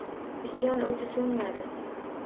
Isyon o’ti so’nmadi.